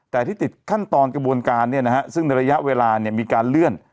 แต่ที่ติดขั้นตอนกระบวนการซึ่งในระยะเวลามีการเลื่อน